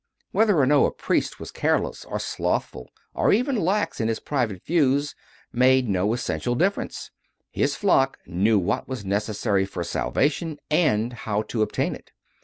Whether or no a priest was careless or slothful or even lax in his private views made no essential difference; his flock knew what was necessary for salvation and how to obtain it.